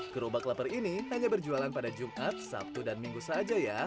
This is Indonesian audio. gerobak lapar ini hanya berjualan pada jumat sabtu dan minggu saja ya